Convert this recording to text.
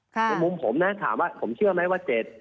ในมุมผมนะถามว่าผมเชื่อไหมว่า๗